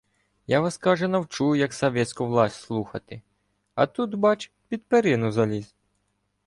Я вас, каже, навчу, як савєтскую власть слухати! А тут, бач, під перину заліз!.